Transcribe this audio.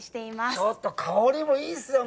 ちょっと香りもいいですよね。